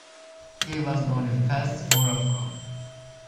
He was born in Fes, Morocco.